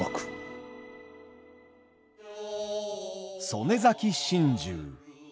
「曾根崎心中」。